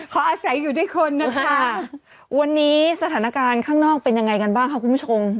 อาศัยอยู่ด้วยคนนะคะวันนี้สถานการณ์ข้างนอกเป็นยังไงกันบ้างค่ะคุณผู้ชม